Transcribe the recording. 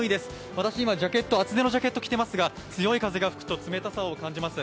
私、今、厚手のジャケット着ていますが、強い風が吹くと冷たさを感じます。